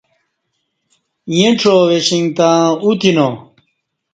یں ڄاوی شنگ تہ اوتینا